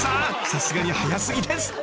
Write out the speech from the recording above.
さすがに早過ぎですって］